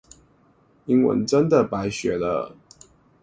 英文真的白學了